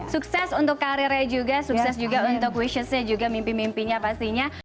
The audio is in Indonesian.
sukses untuk karirnya juga sukses juga untuk wishoosnya juga mimpi mimpinya pastinya